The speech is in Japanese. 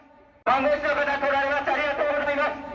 ありがとうございます。